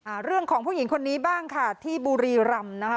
เรื่องของผู้หญิงคนนี้บ้างค่ะที่บุรีรำนะคะ